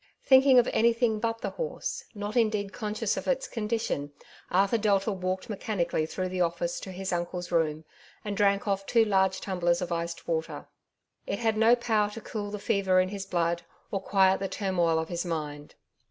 Thinking of anything but the horse, not indeed conscious of its condition, Arthur Delta walked mechanically through the office to his uncle^s room, and drank off two large tumblers of iced water. It had no power to cool the fever in his blood, or quiet the turmoil of his mind.